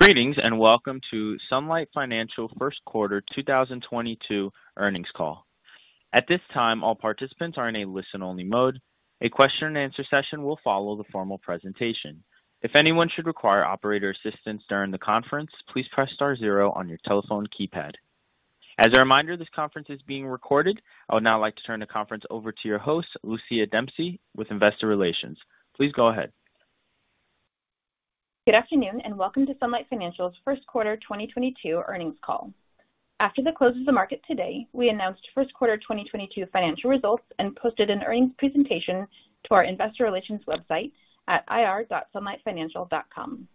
Greetings. Welcome to Sunlight Financial first quarter 2022 earnings call. At this time, all participants are in a listen-only mode. A question-and-answer session will follow the formal presentation. If anyone should require operator assistance during the conference, please press star zero on your telephone keypad. As a reminder, this conference is being recorded. I would now like to turn the conference over to your host, Lucia Dempsey, with Investor Relations. Please go ahead. Good afternoon, and welcome to Sunlight Financial's first quarter 2022 earnings call. After the close of the market today, we announced first quarter 2022 financial results and posted an earnings presentation to our investor relations website at ir.sunlightfinancial.com.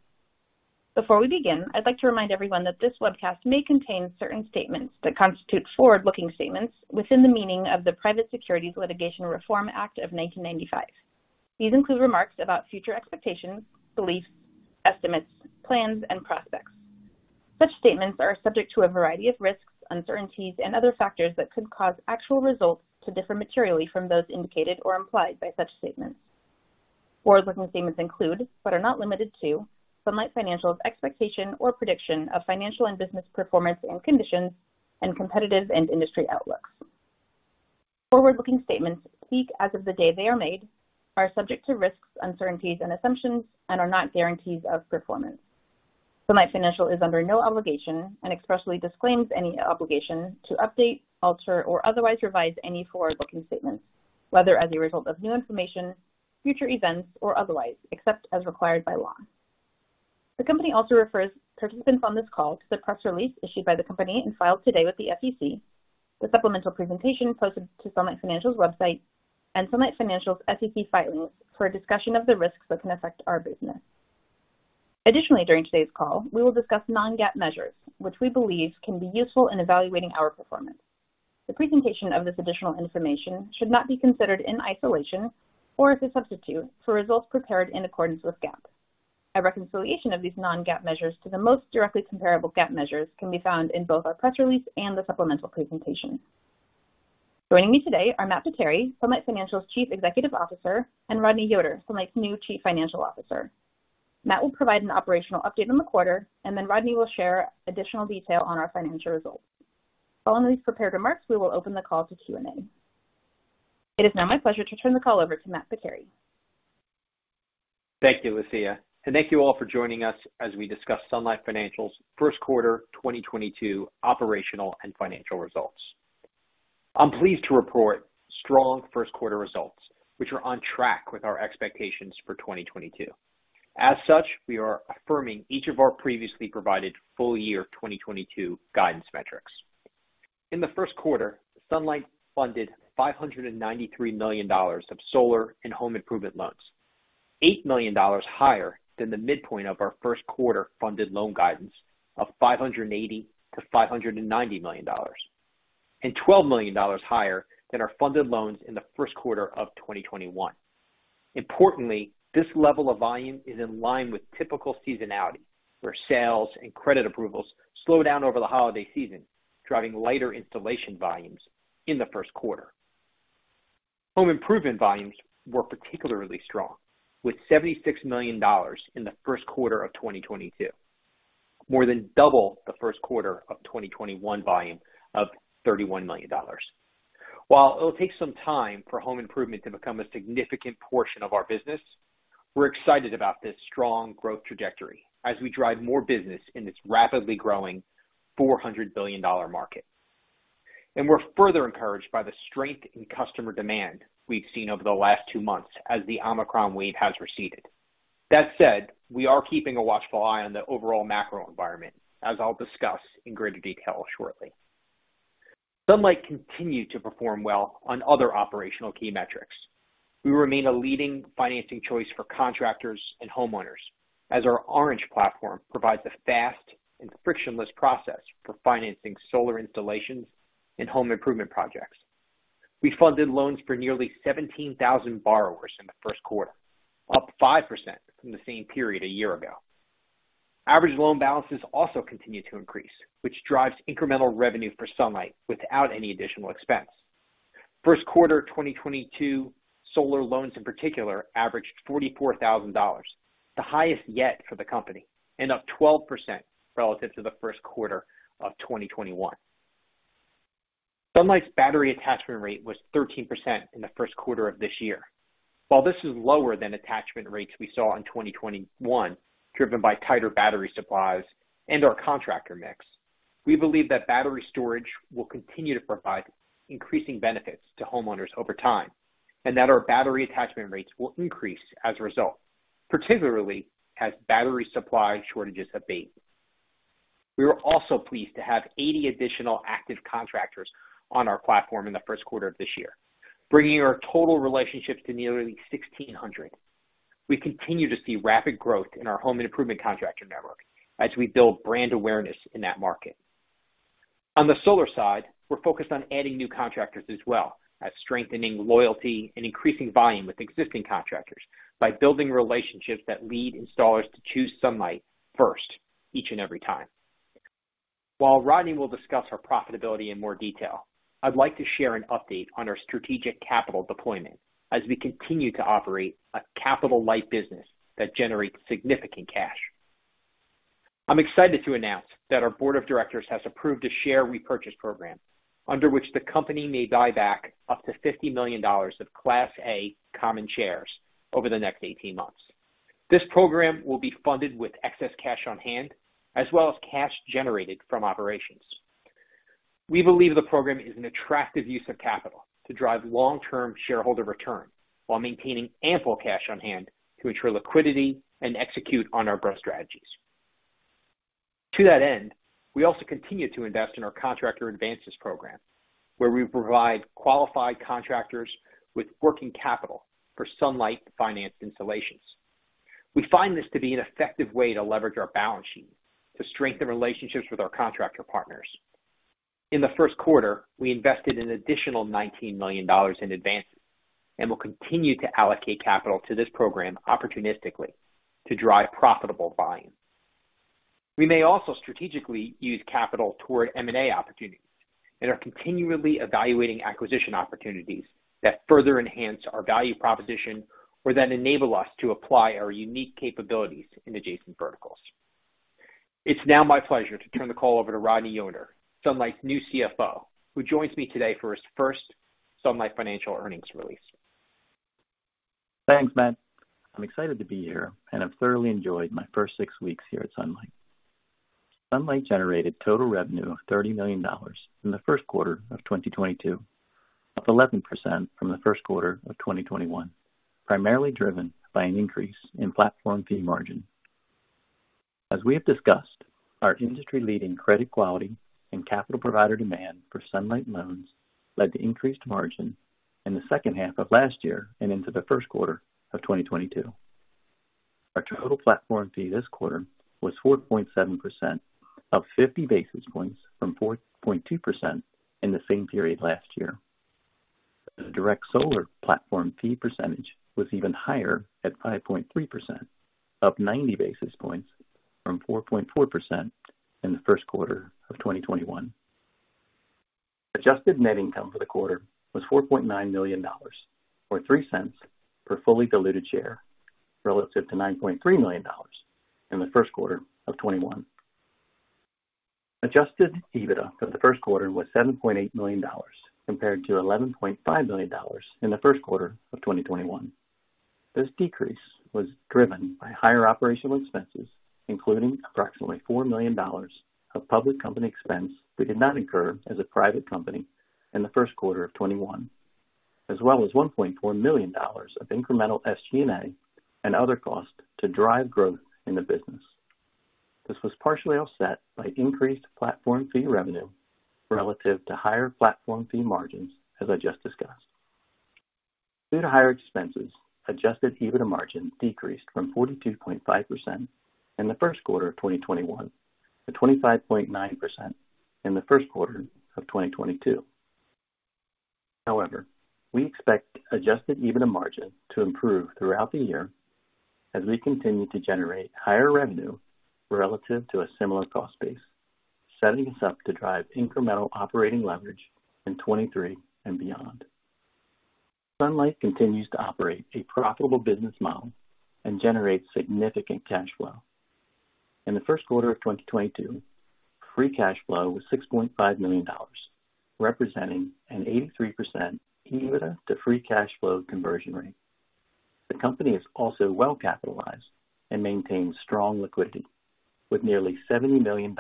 Before we begin, I'd like to remind everyone that this webcast may contain certain statements that constitute forward-looking statements within the meaning of the Private Securities Litigation Reform Act of 1995. These include remarks about future expectations, beliefs, estimates, plans, and prospects. Such statements are subject to a variety of risks, uncertainties, and other factors that could cause actual results to differ materially from those indicated or implied by such statements. Forward-looking statements include, but are not limited to, Sunlight Financial's expectation or prediction of financial and business performance and conditions and competitive and industry outlooks. Forward-looking statements speak as of the day they are made, are subject to risks, uncertainties, and assumptions and are not guarantees of performance. Sunlight Financial is under no obligation and expressly disclaims any obligation to update, alter, or otherwise revise any forward-looking statements, whether as a result of new information, future events, or otherwise, except as required by law. The company also refers participants on this call to the press release issued by the company and filed today with the SEC, the supplemental presentation posted to Sunlight Financial's website, and Sunlight Financial's SEC filings for a discussion of the risks that can affect our business. Additionally, during today's call, we will discuss non-GAAP measures which we believe can be useful in evaluating our performance. The presentation of this additional information should not be considered in isolation or as a substitute for results prepared in accordance with GAAP. A reconciliation of these non-GAAP measures to the most directly comparable GAAP measures can be found in both our press release and the supplemental presentation. Joining me today are Matt Potere, Sunlight Financial's Chief Executive Officer, and Rodney Yoder, Sunlight's new Chief Financial Officer. Matt will provide an operational update on the quarter, and then Rodney will share additional detail on our financial results. Following these prepared remarks, we will open the call to Q&A. It is now my pleasure to turn the call over to Matt Potere. Thank you, Lucia. Thank you all for joining us as we discuss Sunlight Financial's first quarter 2022 operational and financial results. I'm pleased to report strong first quarter results, which are on track with our expectations for 2022. As such, we are affirming each of our previously provided full year 2022 guidance metrics. In the first quarter, Sunlight funded $593 million of solar and home improvement loans, $8 million higher than the midpoint of our first quarter funded loan guidance of $580-$590 million, and $12 million higher than our funded loans in the first quarter of 2021. Importantly, this level of volume is in line with typical seasonality, where sales and credit approvals slow down over the holiday season, driving lighter installation volumes in the first quarter. Home improvement volumes were particularly strong, with $76 million in the first quarter of 2022, more than double the first quarter of 2021 volume of $31 million. While it will take some time for home improvement to become a significant portion of our business, we're excited about this strong growth trajectory as we drive more business in this rapidly growing $400 billion market. We're further encouraged by the strength in customer demand we've seen over the last two months as the Omicron wave has receded. That said, we are keeping a watchful eye on the overall macro environment, as I'll discuss in greater detail shortly. Sunlight continued to perform well on other operational key metrics. We remain a leading financing choice for contractors and homeowners as our Orange platform provides a fast and frictionless process for financing solar installations and home improvement projects. We funded loans for nearly 17,000 borrowers in the first quarter, up 5% from the same period a year ago. Average loan balances also continue to increase, which drives incremental revenue for Sunlight without any additional expense. First quarter 2022 solar loans in particular averaged $44,000, the highest yet for the company, and up 12% relative to the first quarter of 2021. Sunlight's battery attachment rate was 13% in the first quarter of this year. While this is lower than attachment rates we saw in 2021, driven by tighter battery supplies and our contractor mix, we believe that battery storage will continue to provide increasing benefits to homeowners over time, and that our battery attachment rates will increase as a result, particularly as battery supply shortages abate. We were also pleased to have 80 additional active contractors on our platform in the first quarter of this year, bringing our total relationships to nearly 1,600. We continue to see rapid growth in our home improvement contractor network as we build brand awareness in that market. On the solar side, we're focused on adding new contractors as well as strengthening loyalty and increasing volume with existing contractors by building relationships that lead installers to choose Sunlight first each and every time. While Rodney will discuss our profitability in more detail, I'd like to share an update on our strategic capital deployment as we continue to operate a capital-light business that generates significant cash. I'm excited to announce that our board of directors has approved a share repurchase program under which the company may buy back up to $50 million of Class A common shares over the next 18 months. This program will be funded with excess cash on hand as well as cash generated from operations. We believe the program is an attractive use of capital to drive long-term shareholder return while maintaining ample cash on hand to ensure liquidity and execute on our growth strategies. To that end, we also continue to invest in our contractor advances program, where we provide qualified contractors with working capital for Sunlight Financial-financed installations. We find this to be an effective way to leverage our balance sheet to strengthen relationships with our contractor partners. In the first quarter, we invested an additional $19 million in advances and will continue to allocate capital to this program opportunistically to drive profitable volume. We may also strategically use capital toward M&A opportunities and are continually evaluating acquisition opportunities that further enhance our value proposition or that enable us to apply our unique capabilities in adjacent verticals. It's now my pleasure to turn the call over to Rodney Yoder, Sunlight's new CFO, who joins me today for his first Sunlight Financial earnings release. Thanks, Matt. I'm excited to be here, and I've thoroughly enjoyed my first six weeks here at Sunlight. Sunlight generated total revenue of $30 million in the first quarter of 2022, up 11% from the first quarter of 2021, primarily driven by an increase in platform fee margin. As we have discussed, our industry-leading credit quality and capital provider demand for Sunlight loans led to increased margin in the second half of last year and into the first quarter of 2022. Our total platform fee this quarter was 4.7%, up 50 basis points from 4.2% in the same period last year. The direct solar platform fee percentage was even higher at 5.3%, up 90 basis points from 4.4% in the first quarter of 2021. Adjusted net income for the quarter was $4.9 million, or $0.03 per fully diluted share, relative to $9.3 million in the first quarter of 2021. Adjusted EBITDA for the first quarter was $7.8 million compared to $11.5 million in the first quarter of 2021. This decrease was driven by higher operational expenses, including approximately $4 million of public company expense we did not incur as a private company in the first quarter of 2021, as well as $1.4 million of incremental SG&A and other costs to drive growth in the business. This was partially offset by increased platform fee revenue relative to higher platform fee margins, as I just discussed. Due to higher expenses, adjusted EBITDA margin decreased from 42.5% in the first quarter of 2021 to 25.9% in the first quarter of 2022. However, we expect adjusted EBITDA margin to improve throughout the year as we continue to generate higher revenue relative to a similar cost base, setting us up to drive incremental operating leverage in 2023 and beyond. Sunlight continues to operate a profitable business model and generates significant cash flow. In the first quarter of 2022, free cash flow was $6.5 million, representing an 83% EBITDA to free cash flow conversion rate. The company is also well capitalized and maintains strong liquidity, with nearly $70 million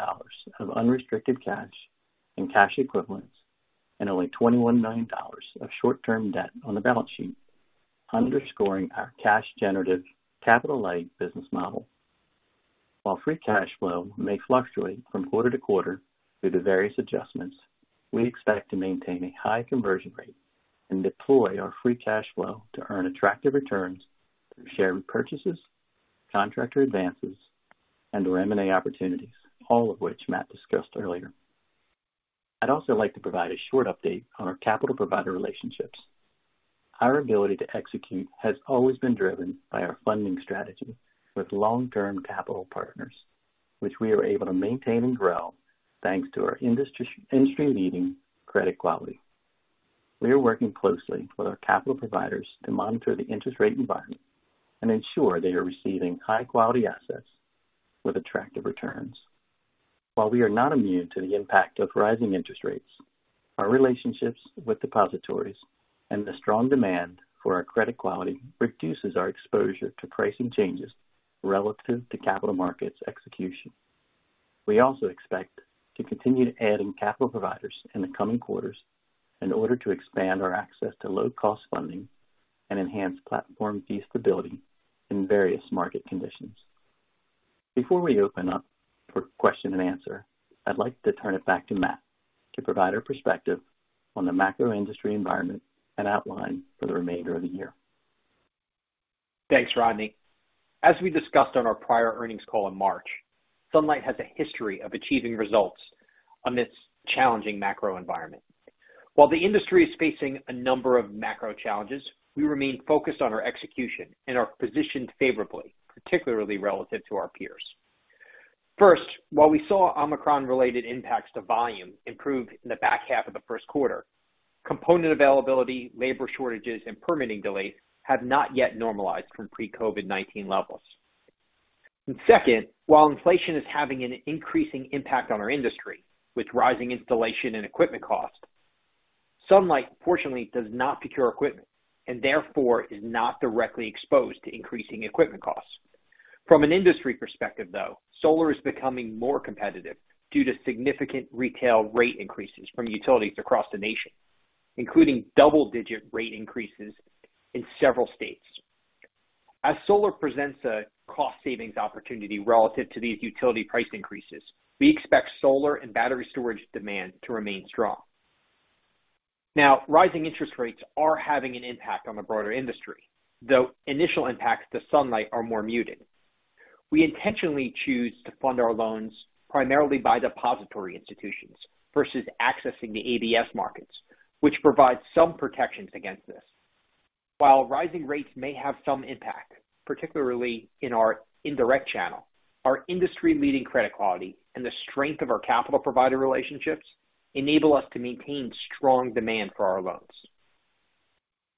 of unrestricted cash and cash equivalents and only $21 million of short-term debt on the balance sheet, underscoring our cash generative capital-light business model. While free cash flow may fluctuate from quarter to quarter due to various adjustments, we expect to maintain a high conversion rate and deploy our free cash flow to earn attractive returns through share repurchases, contractor advances, and/or M&A opportunities, all of which Matt discussed earlier. I'd also like to provide a short update on our capital provider relationships. Our ability to execute has always been driven by our funding strategy with long-term capital partners, which we are able to maintain and grow thanks to our industry-leading credit quality. We are working closely with our capital providers to monitor the interest rate environment and ensure they are receiving high quality assets with attractive returns. While we are not immune to the impact of rising interest rates, our relationships with depositories and the strong demand for our credit quality reduces our exposure to pricing changes relative to capital markets execution. We also expect to continue to add in capital providers in the coming quarters in order to expand our access to low-cost funding and enhance platform fee stability in various market conditions. Before we open up for question and answer, I'd like to turn it back to Matt to provide our perspective on the macro industry environment and outline for the remainder of the year. Thanks, Rodney. As we discussed on our prior earnings call in March, Sunlight has a history of achieving results on this challenging macro environment. While the industry is facing a number of macro challenges, we remain focused on our execution and are positioned favorably, particularly relative to our peers. First, while we saw Omicron-related impacts to volume improve in the back half of the first quarter, component availability, labor shortages, and permitting delays have not yet normalized from pre-COVID-19 levels. Second, while inflation is having an increasing impact on our industry with rising installation and equipment costs, Sunlight fortunately does not procure equipment and therefore is not directly exposed to increasing equipment costs. From an industry perspective, though, solar is becoming more competitive due to significant retail rate increases from utilities across the nation, including double-digit rate increases in several states. As solar presents a cost savings opportunity relative to these utility price increases, we expect solar and battery storage demand to remain strong. Now, rising interest rates are having an impact on the broader industry, though initial impacts to Sunlight are more muted. We intentionally choose to fund our loans primarily by depository institutions versus accessing the ABS markets, which provides some protections against this. While rising rates may have some impact, particularly in our indirect channel, our industry-leading credit quality and the strength of our capital provider relationships enable us to maintain strong demand for our loans.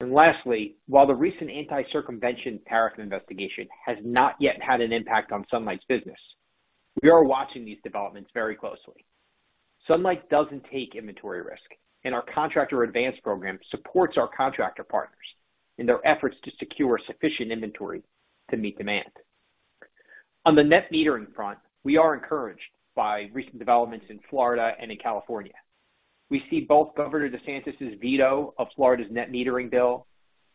Lastly, while the recent anti-circumvention tariff investigation has not yet had an impact on Sunlight's business, we are watching these developments very closely. Sunlight doesn't take inventory risk, and our contractor advance program supports our contractor partners in their efforts to secure sufficient inventory to meet demand. On the net metering front, we are encouraged by recent developments in Florida and in California. We see both Governor DeSantis' veto of Florida's net metering bill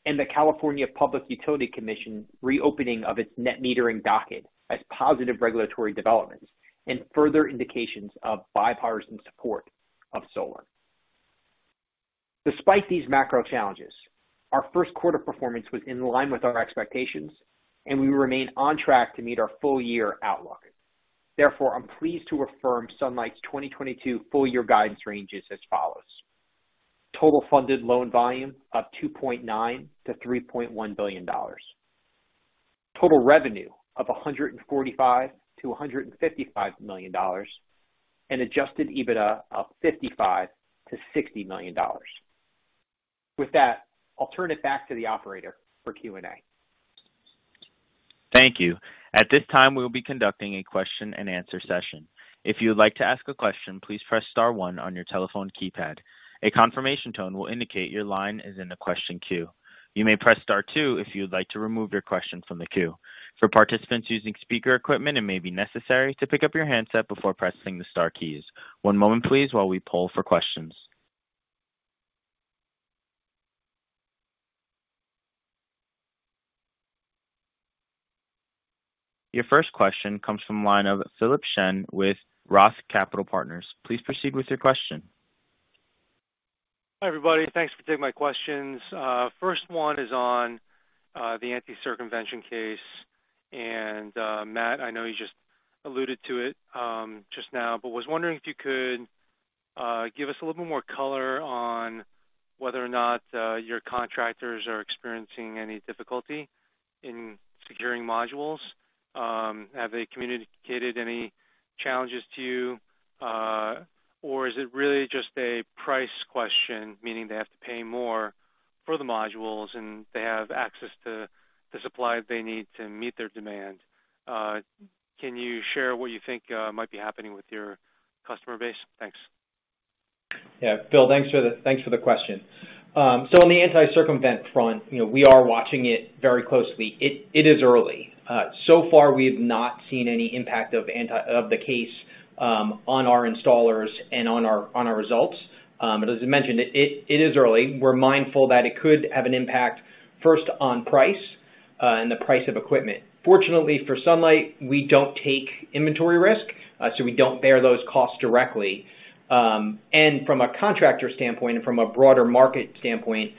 and the California Public Utilities Commission reopening of its net metering docket as positive regulatory developments and further indications of bipartisan support of solar. Despite these macro challenges, our first quarter performance was in line with our expectations, and we remain on track to meet our full-year outlook. Therefore, I'm pleased to affirm Sunlight's 2022 full-year guidance ranges as follows. Total funded loan volume of $2.9 billion-$3.1 billion. Total revenue of $145 million-$155 million. Adjusted EBITDA of $55 million-$60 million. With that, I'll turn it back to the operator for Q&A. Thank you. At this time, we will be conducting a question-and-answer session. If you would like to ask a question, please press star one on your telephone keypad. A confirmation tone will indicate your line is in the question queue. You may press star two if you would like to remove your question from the queue. For participants using speaker equipment, it may be necessary to pick up your handset before pressing the star keys. One moment, please, while we poll for questions. Your first question comes from the line of Philip Shen with Roth Capital Partners. Please proceed with your question. Hi, everybody. Thanks for taking my questions. First one is on the anti-circumvention case. Matt, I know you just alluded to it just now, but was wondering if you could give us a little bit more color on whether or not your contractors are experiencing any difficulty in securing modules. Have they communicated any challenges to you, or is it really just a price question, meaning they have to pay more for the modules and they have access to the supplies they need to meet their demand? Can you share what you think might be happening with your customer base? Thanks. Yeah. Phil, thanks for the question. On the anti-circumvention front, you know, we are watching it very closely. It is early. So far, we have not seen any impact of the case on our installers and on our results. As you mentioned, it is early. We're mindful that it could have an impact first on price and the price of equipment. Fortunately, for Sunlight, we don't take inventory risk, so we don't bear those costs directly. From a contractor standpoint and from a broader market standpoint,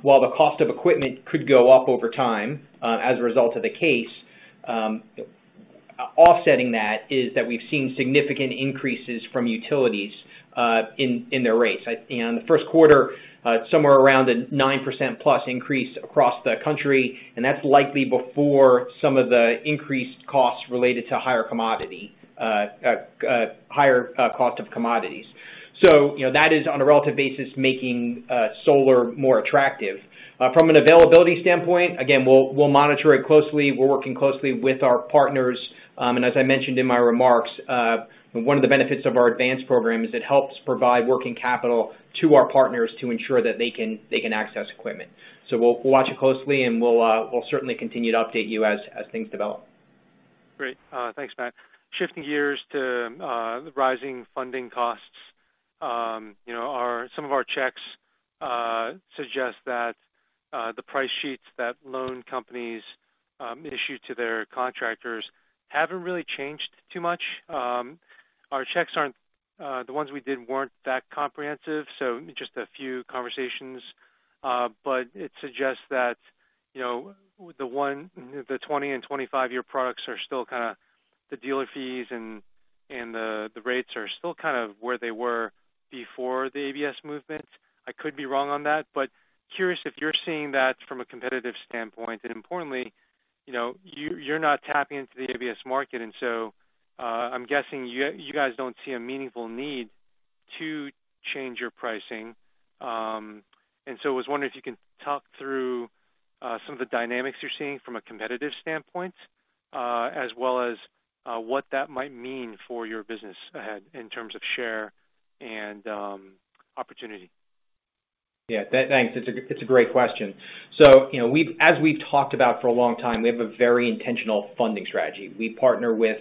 while the cost of equipment could go up over time as a result of the case, offsetting that is that we've seen significant increases from utilities in their rates. The first quarter, somewhere around a 9% plus increase across the country, and that's likely before some of the increased costs related to higher cost of commodities. You know, that is on a relative basis, making solar more attractive. From an availability standpoint, again, we'll monitor it closely. We're working closely with our partners. As I mentioned in my remarks, one of the benefits of our advanced program is it helps provide working capital to our partners to ensure that they can access equipment. We'll watch it closely, and we'll certainly continue to update you as things develop. Great. Thanks, Matt. Shifting gears to the rising funding costs. You know, some of our checks suggest that the price sheets that loan companies issue to their contractors haven't really changed too much. Our checks, the ones we did, weren't that comprehensive, so just a few conversations, but it suggests that. You know, the 20 and 25-year products are still kinda the dealer fees and the rates are still kind of where they were before the ABS movement. I could be wrong on that, but curious if you're seeing that from a competitive standpoint. Importantly, you know, you're not tapping into the ABS market, and so I'm guessing you guys don't see a meaningful need to change your pricing. I was wondering if you can talk through some of the dynamics you're seeing from a competitive standpoint, as well as what that might mean for your business ahead in terms of share and opportunity. Thanks. It's a great question. You know, we've talked about for a long time, we have a very intentional funding strategy. We partner with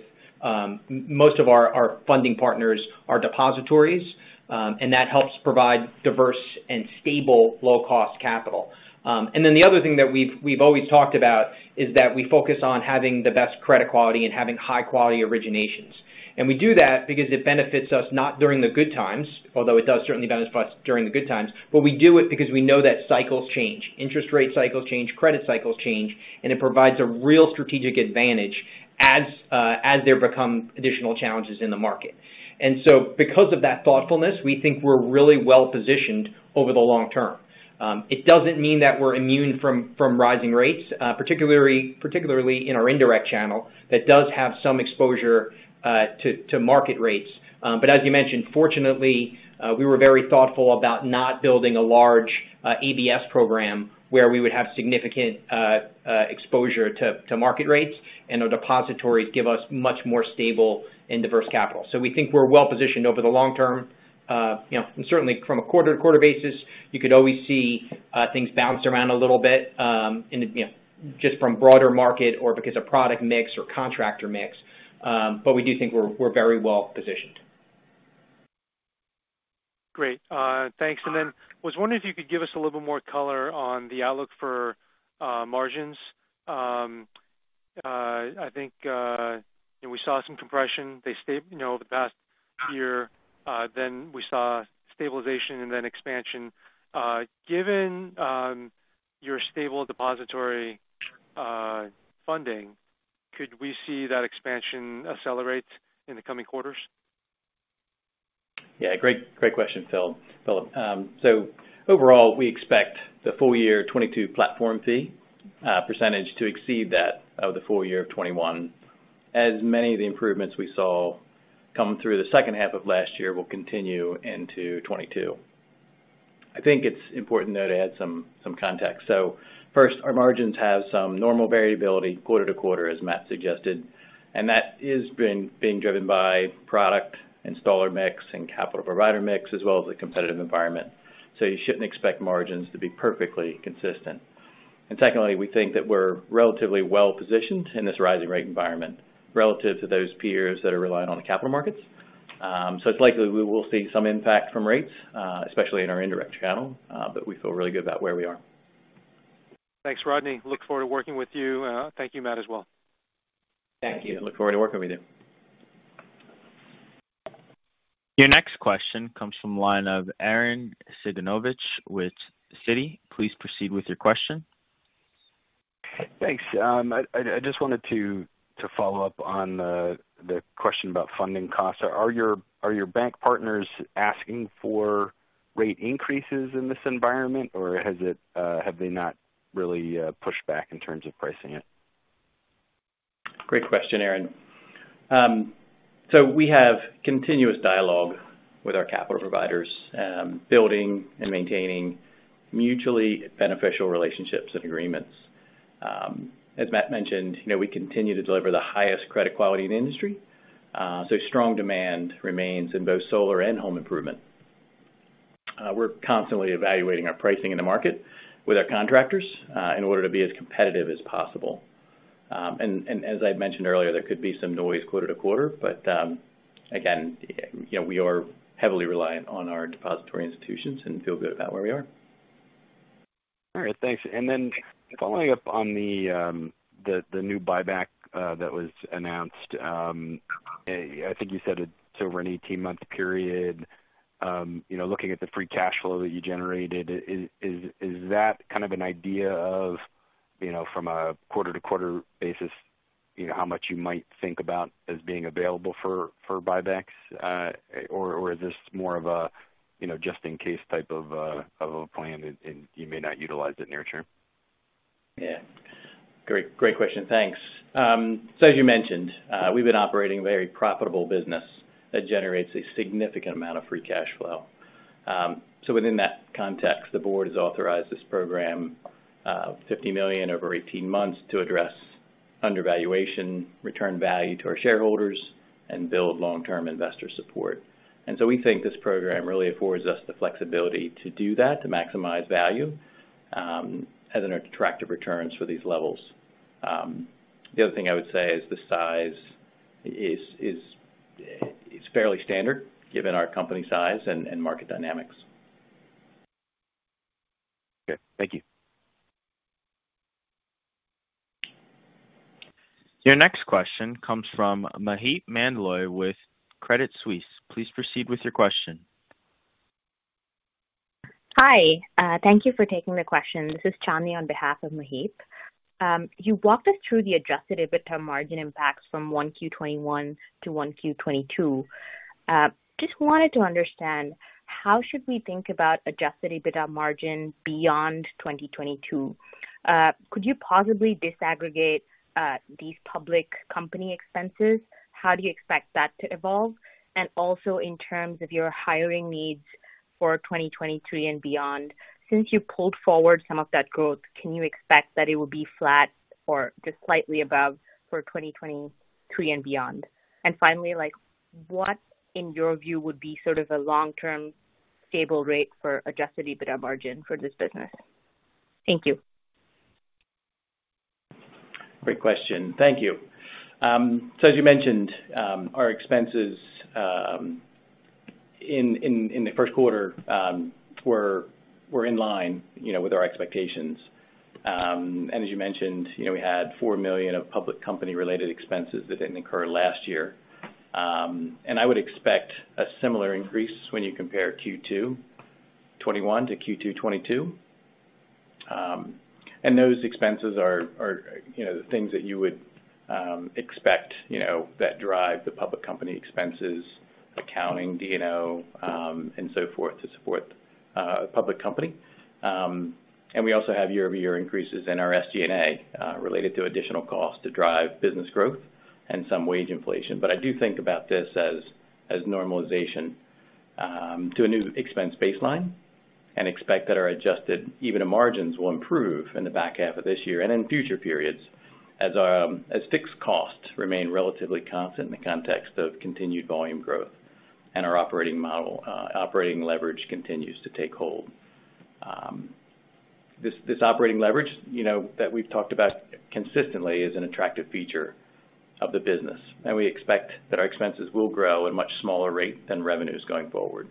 most of our funding partners are depositories, and that helps provide diverse and stable low-cost capital. And then the other thing that we've always talked about is that we focus on having the best credit quality and having high quality originations. We do that because it benefits us not during the good times, although it does certainly benefits us during the good times, but we do it because we know that cycles change. Interest rate cycles change, credit cycles change, and it provides a real strategic advantage as there become additional challenges in the market. Because of that thoughtfulness, we think we're really well positioned over the long term. It doesn't mean that we're immune from rising rates, particularly in our indirect channel that does have some exposure to market rates. As you mentioned, fortunately, we were very thoughtful about not building a large ABS program where we would have significant exposure to market rates, and our depositories give us much more stable and diverse capital. We think we're well positioned over the long term. You know, certainly from a quarter to quarter basis, you could always see things bounce around a little bit, and you know, just from broader market or because of product mix or contractor mix. We do think we're very well positioned. Great. Thanks. Was wondering if you could give us a little more color on the outlook for margins. I think, you know, we saw some compression. They stayed, you know, the past year, then we saw stabilization and then expansion. Given your stable depository funding, could we see that expansion accelerate in the coming quarters? Yeah. Great question, Philip. Overall, we expect the full year 2022 platform fee percentage to exceed that of the full year of 2021, as many of the improvements we saw come through the second half of last year will continue into 2022. I think it's important, though, to add some context. First, our margins have some normal variability quarter to quarter, as Matt suggested, and that is being driven by product, installer mix, and capital provider mix, as well as the competitive environment. You shouldn't expect margins to be perfectly consistent. Secondly, we think that we're relatively well positioned in this rising rate environment relative to those peers that are relying on the capital markets. It's likely we will see some impact from rates, especially in our indirect channel, but we feel really good about where we are. Rodney. Look forward to working with you. Thank you, Matt, as well. Thank you. Look forward to working with you. Your next question comes from the line of Aaron Lindenbaum with Citi. Please proceed with your question. Thanks. I just wanted to follow up on the question about funding costs. Are your bank partners asking for rate increases in this environment, or have they not really pushed back in terms of pricing it? Great question, Aaron. We have continuous dialogue with our capital providers, building and maintaining mutually beneficial relationships and agreements. As Matt mentioned, you know, we continue to deliver the highest credit quality in the industry, so strong demand remains in both solar and home improvement. We're constantly evaluating our pricing in the market with our contractors, in order to be as competitive as possible. As I mentioned earlier, there could be some noise quarter to quarter, but, again, you know, we are heavily reliant on our depository institutions and feel good about where we are. All right. Thanks. Following up on the new buyback that was announced, I think you said it's over an 18-month period. You know, looking at the free cash flow that you generated, is that kind of an idea of, you know, from a quarter-to-quarter basis, you know, how much you might think about as being available for buybacks? Or is this more of a, you know, just in case type of a plan and you may not utilize it near term? Yeah. Great question. Thanks. As you mentioned, we've been operating a very profitable business that generates a significant amount of free cash flow. Within that context, the board has authorized this program, $50 million over 18 months to address undervaluation, return value to our shareholders, and build long-term investor support. We think this program really affords us the flexibility to do that, to maximize value, and then attractive returns for these levels. The other thing I would say is the size is fairly standard given our company size and market dynamics. Okay. Thank you. Your next question comes from Maheep Mandloi with Credit Suisse. Please proceed with your question. Hi. Thank you for taking the question. This is Chandni on behalf of Maheep. You walked us through the adjusted EBITDA margin impacts from 1Q 2021 - 1Q 2022. Just wanted to understand, how should we think about adjusted EBITDA margin beyond 2022? Could you possibly disaggregate these public company expenses? How do you expect that to evolve? Also in terms of your hiring needs for 2023 and beyond, since you pulled forward some of that growth, can you expect that it will be flat or just slightly above for 2023 and beyond? Finally, like, what in your view would be sort of a long-term stable rate for adjusted EBITDA margin for this business? Thank you. Great question. Thank you. So as you mentioned, our expenses in the first quarter were in line, you know, with our expectations. As you mentioned, you know, we had $4 million of public company related expenses that didn't occur last year. I would expect a similar increase when you compare Q2 2021 - Q2 2022. Those expenses are, you know, things that you would expect, you know, that drive the public company expenses, accounting, D&O, and so forth to support public company. We also have year-over-year increases in our SG&A related to additional costs to drive business growth and some wage inflation. I do think about this as normalization to a new expense baseline and expect that our adjusted EBITDA margins will improve in the back half of this year and in future periods as fixed costs remain relatively constant in the context of continued volume growth and our operating model, operating leverage continues to take hold. This operating leverage, you know, that we've talked about consistently is an attractive feature of the business, and we expect that our expenses will grow at a much smaller rate than revenues going forward.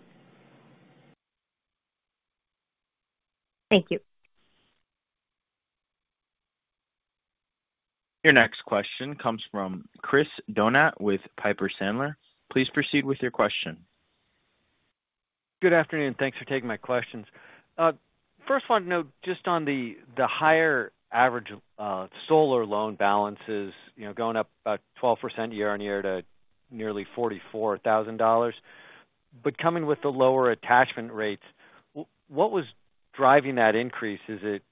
Thank you. Your next question comes from Chris Donat with Piper Sandler. Please proceed with your question. Good afternoon. Thanks for taking my questions. First want to know just on the higher average solar loan balances, you know, going up about 12% year-on-year to nearly $44,000, but coming with the lower attachment rates, what was driving that increase? Is it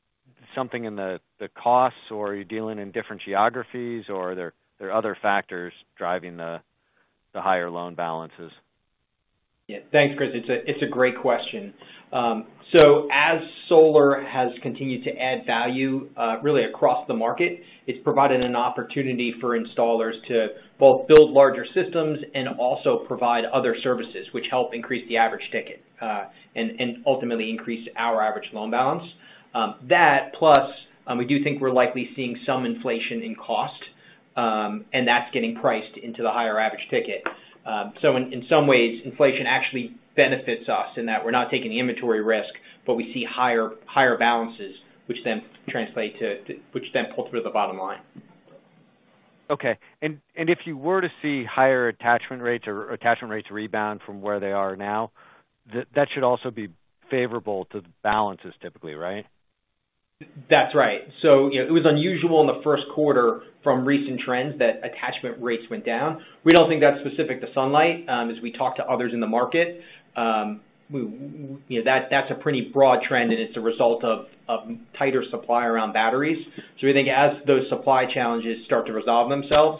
something in the costs, or are you dealing in different geographies or are there other factors driving the higher loan balances? Yeah. Thanks, Chris. It's a great question. As solar has continued to add value, really across the market, it's provided an opportunity for installers to both build larger systems and also provide other services which help increase the average ticket, and ultimately increase our average loan balance. That plus, we do think we're likely seeing some inflation in cost, and that's getting priced into the higher average ticket. In some ways, inflation actually benefits us in that we're not taking the inventory risk, but we see higher balances which then pull through the bottom line. If you were to see higher attachment rates or rebound from where they are now, that should also be favorable to the balances typically, right? That's right. You know, it was unusual in the first quarter from recent trends that attachment rates went down. We don't think that's specific to Sunlight. As we talk to others in the market, you know, that's a pretty broad trend and it's a result of tighter supply around batteries. We think as those supply challenges start to resolve themselves,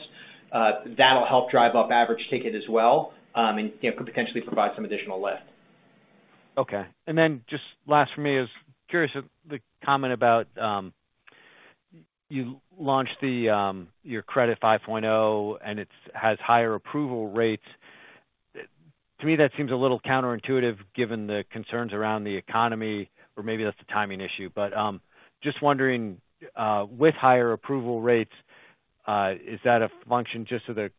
that'll help drive up average ticket as well, and you know, could potentially provide some additional lift. Okay. Just last for me, I'm curious about the comment about you launched your Credit 5.0, and it has higher approval rates. To me, that seems a little counterintuitive given the concerns around the economy or maybe that's the timing issue. Just wondering, with higher approval rates, is that a function just of the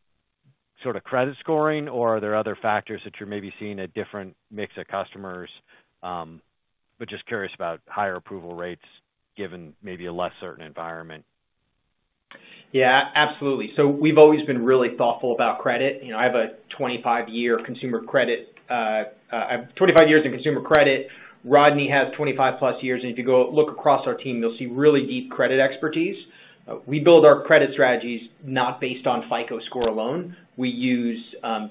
sort of credit scoring, or are there other factors that you're maybe seeing a different mix of customers? Just curious about higher approval rates given maybe a less certain environment. Yeah, absolutely. We've always been really thoughtful about credit. You know, I have 25 years in consumer credit. Rodney has 25+ years. If you go look across our team, you'll see really deep credit expertise. We build our credit strategies not based on FICO score alone. We use, you know,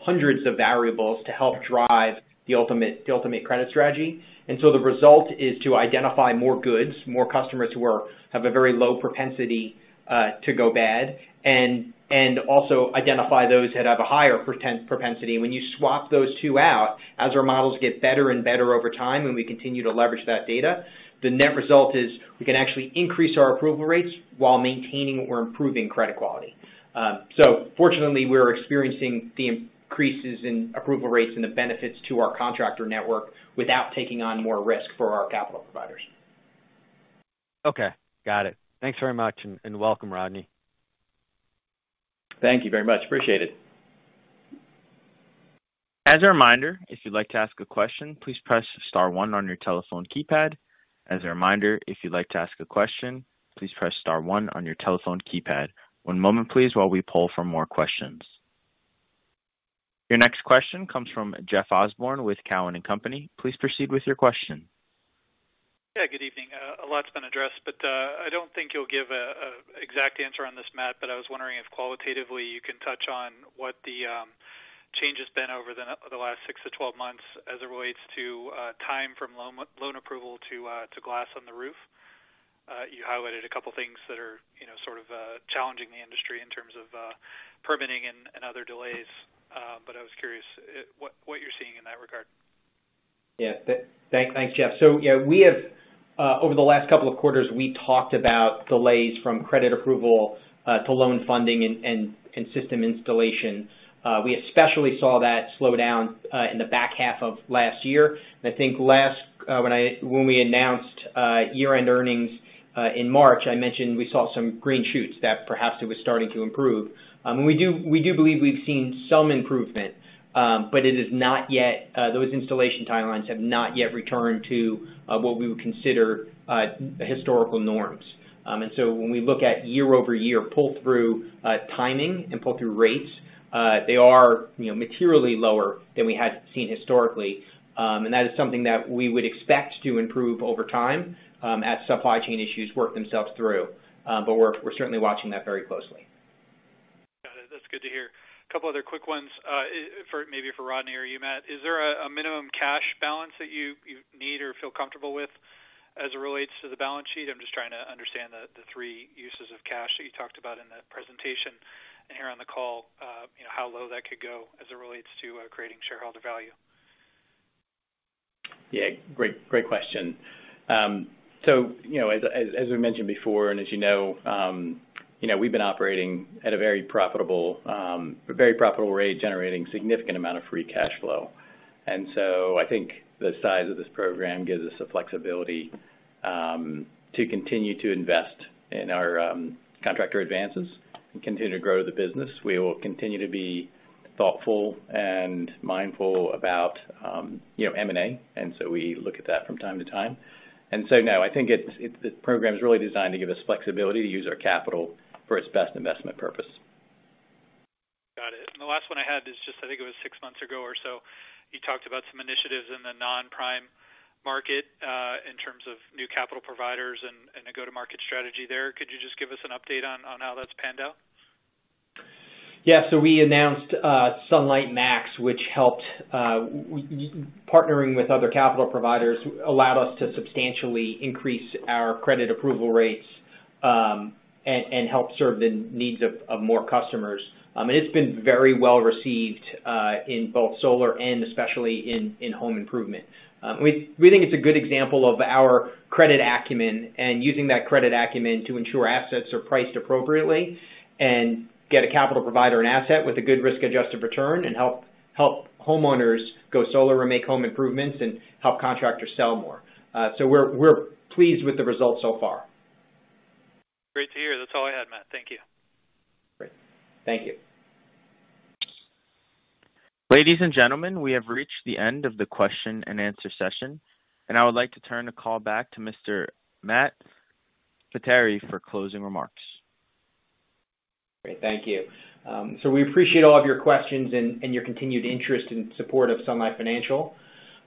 hundreds of variables to help drive the ultimate credit strategy. The result is to identify more good customers who have a very low propensity to go bad, and also identify those that have a higher propensity. When you swap those two out, as our models get better and better over time and we continue to leverage that data, the net result is we can actually increase our approval rates while maintaining or improving credit quality. Fortunately, we're experiencing the increases in approval rates and the benefits to our contractor network without taking on more risk for our capital providers. Okay. Got it. Thanks very much, and welcome, Rodney. Thank you very much. Appreciate it. As a reminder, if you'd like to ask a question, please press star one on your telephone keypad. As a reminder, if you'd like to ask a question, please press star one on your telephone keypad. One moment please, while we pull for more questions. Your next question comes from Jeffrey Osborne with Cowen and Company. Please proceed with your question. Yeah, good evening. A lot's been addressed, but I don't think you'll give an exact answer on this, Matt, but I was wondering if qualitatively you can touch on what the change has been over the last 6-12 months as it relates to time from loan approval to glass on the roof. You highlighted a couple things that are, you know, sort of, challenging the industry in terms of permitting and other delays. But I was curious what you're seeing in that regard. Thanks, Jeff. Yeah, we have over the last couple of quarters, we talked about delays from credit approval to loan funding and system installation. We especially saw that slow down in the back half of last year. I think when we announced year-end earnings in March, I mentioned we saw some green shoots that perhaps it was starting to improve. We do believe we've seen some improvement, but it is not yet those installation timelines have not yet returned to what we would consider historical norms. When we look at year-over-year pull-through timing and pull-through rates, they are, you know, materially lower than we had seen historically. That is something that we would expect to improve over time, as supply chain issues work themselves through. We're certainly watching that very closely. Got it. That's good to hear. A couple other quick ones. Maybe for Rodney or you, Matt. Is there a minimum cash balance that you need or feel comfortable with as it relates to the balance sheet? I'm just trying to understand the three uses of cash that you talked about in the presentation and here on the call. You know, how low that could go as it relates to creating shareholder value. Yeah. Great question. You know, as we mentioned before, and as you know, you know, we've been operating at a very profitable rate, generating significant amount of free cash flow. I think the size of this program gives us the flexibility to continue to invest in our contractor advances and continue to grow the business. We will continue to be thoughtful and mindful about you know, M&A. We look at that from time to time. No, I think it's the program's really designed to give us flexibility to use our capital for its best investment purpose. Got it. The last one I had is just, I think it was six months ago or so, you talked about some initiatives in the non-prime market, in terms of new capital providers and a go-to-market strategy there. Could you just give us an update on how that's panned out? We announced Sunlight Max, which helped partnering with other capital providers, allowed us to substantially increase our credit approval rates, and help serve the needs of more customers. It's been very well received in both solar and especially in home improvement. We think it's a good example of our credit acumen and using that credit acumen to ensure assets are priced appropriately and get a capital provider and asset with a good risk-adjusted return and help homeowners go solar or make home improvements and help contractors sell more. We're pleased with the results so far. Great to hear. That's all I had, Matt. Thank you. Great. Thank you. Ladies and gentlemen, we have reached the end of the question and answer session, and I would like to turn the call back to Mr. Matt Potere for closing remarks. Great. Thank you. We appreciate all of your questions and your continued interest and support of Sunlight Financial.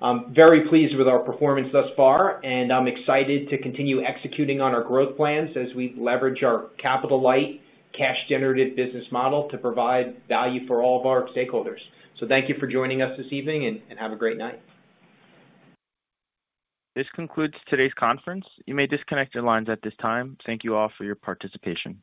I'm very pleased with our performance thus far, and I'm excited to continue executing on our growth plans as we leverage our capital-light, cash generative business model to provide value for all of our stakeholders. Thank you for joining us this evening and have a great night. This concludes today's conference. You may disconnect your lines at this time. Thank you all for your participation.